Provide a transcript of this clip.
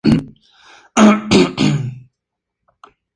Además fue "Beth" en "Mujercitas", obra de Louisa May Alcott.